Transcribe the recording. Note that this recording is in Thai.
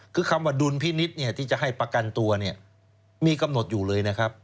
คือคำว่าดุลพินิษฐ์ที่จะให้ประกันตัวเนี่ยมีกำหนดอยู่เลยนะครับ